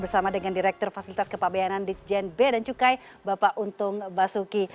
bapak bayanan di jnb dan cukai bapak untung basuki